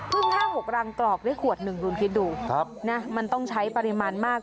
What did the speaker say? ๕๖รังกรอกได้ขวดหนึ่งคุณคิดดูมันต้องใช้ปริมาณมาก